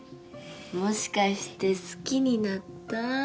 もしかして好きになった？